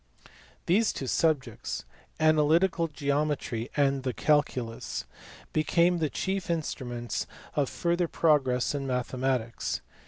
These two subjects analytical geometry and the calculus became the chief instruments of further progress in mathe matics.